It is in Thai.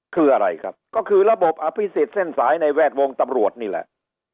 คืออะไรครับก็คือระบบอภิษฎเส้นสายในแวดวงตำรวจนี่แหละ